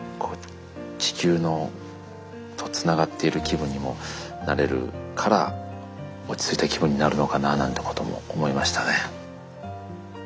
地球とつながっている気分にもなれるから落ち着いた気分になるのかななんてことも思いましたね。